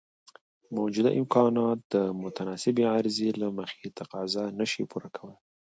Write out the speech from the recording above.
موجوده امکانات د متناسبې عرضې له مخې تقاضا نشي پوره کولای.